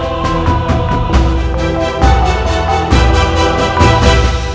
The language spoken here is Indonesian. tapi dia tidak akan kembali ke rumah